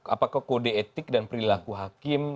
apakah kode etik dan perilaku hakim